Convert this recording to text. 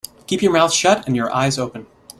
Keep your mouth shut and your eyes open.